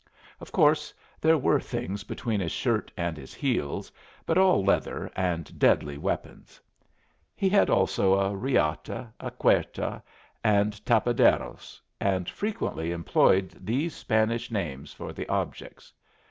Of course, there were things between his shirt and his heels, but all leather and deadly weapons. He had also a riata, a cuerta, and tapaderos, and frequently employed these Spanish names for the objects.